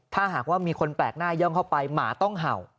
ถ้าหากว่ามีคนแปลกหน้าย่องเข้าไปหมาต้องเห่า